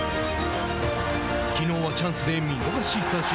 きのうはチャンスで見逃し三振。